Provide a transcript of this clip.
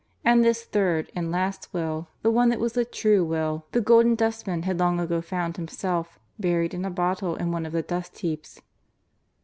And this third and last will, the one that was the true will, The Golden Dustman had long ago found himself, buried in a bottle in one of the dust heaps.